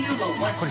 これ。